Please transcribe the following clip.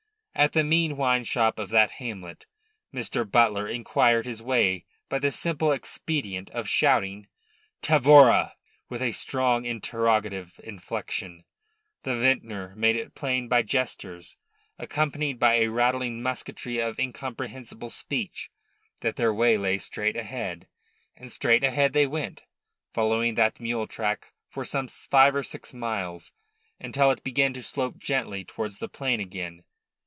At the mean wine shop of that hamlet Mr. Butler inquired his way by the simple expedient of shouting "Tavora?" with a strong interrogative inflection. The vintner made it plain by gestures accompanied by a rattling musketry of incomprehensible speech that their way lay straight ahead. And straight ahead they went, following that mule track for some five or six miles until it began to slope gently towards the plain again.